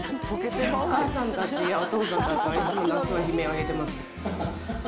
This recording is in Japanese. お母さんたちやお父さんたちは、いつも夏は悲鳴上げてます。